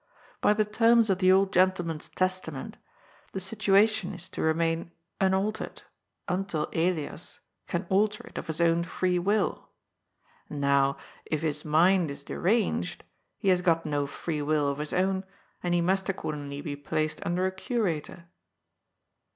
By the terms of the old gentleman's testament the situation is to remain unaltered until Elias can alter it of his own free will. Now, if his mind is deranged, he has got no free will of his own, and he must accordingly be placed under a * curator.'